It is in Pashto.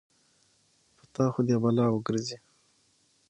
په تا خو دې يې بلا وګرځې.